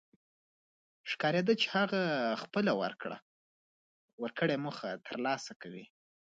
ښکارېده چې هغه خپله ورکړه موخه تر لاسه کوي.